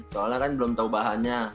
soalnya kan belum tahu bahannya